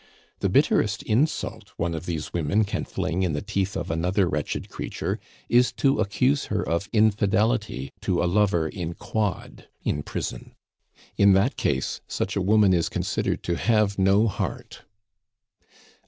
The bitterest insult one of these women can fling in the teeth of another wretched creature is to accuse her of infidelity to a lover in quod (in prison). In that case such a woman is considered to have no heart.